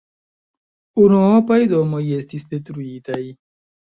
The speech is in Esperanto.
Unuopaj domoj estis detruitaj.